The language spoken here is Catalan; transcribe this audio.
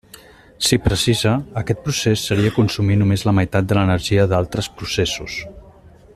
Si precisa, aquest procés seria consumir només la meitat de l'energia d'altres processos.